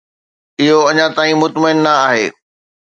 اهو اڃا تائين مطمئن نه آهي.